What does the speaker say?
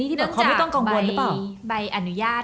มีทางไม่ปิดหรอกแต่พอปิดเสร็จก็เอาเช็นน้ำตากูหน่อยละกัน